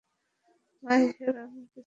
মা হিসেবে আমার কিছু প্রশ্ন আছে।